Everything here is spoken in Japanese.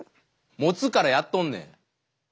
もつからやっとんねん！